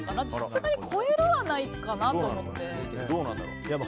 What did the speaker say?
さすがに超えるはないかなと。